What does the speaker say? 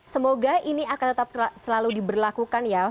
semoga ini akan tetap selalu diberlakukan ya